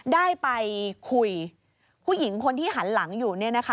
ได้ไปคุยผู้หญิงคนที่หันหลังอยู่